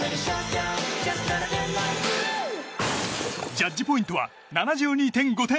ジャッジポイントは７２．５点。